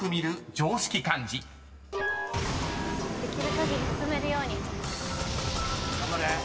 できる限り進めるように。